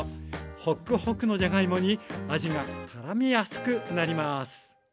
ホクホクのじゃがいもに味がからみやすくなります。